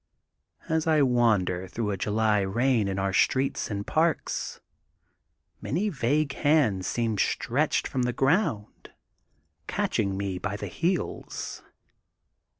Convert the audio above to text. " As I wander through a July rain in our streets, and parks, many vague hands seem stretched from the ground, catching me by the heels.